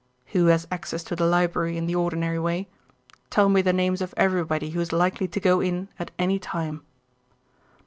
"Who has access to the library in the ordinary way? Tell me the names of everybody who is likely to go in at any time."